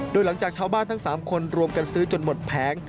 โดยหลังจากชาวบ้านทั้ง๓คนรวมกันซื้อจนหมดแผง